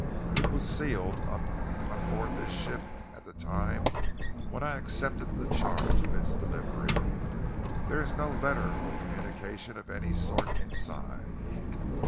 It was sealed up on board this ship at the time when I accepted the charge of its delivery. There is no letter or communication of any sort inside."